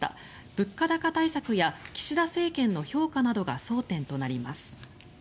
物価高対策や岸田政権の評価などが争点となります。